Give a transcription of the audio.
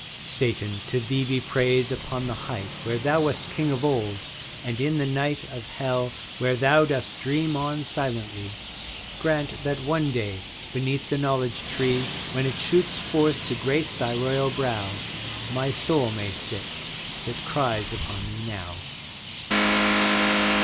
PRAYER Satan, to thee be praise upon the Height Where thou wast king of old, and in the night Of Hell, where thou dost dream on silently. Grant that one day beneath the Knowledge tree, When it shoots forth to grace thy royal brow, My soul may sit, that cries upon thee now.